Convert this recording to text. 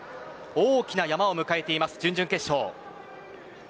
大きな山を迎えている準々決勝です。